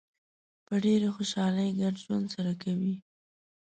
په ډېرې خوشحالۍ ګډ ژوند سره کوي.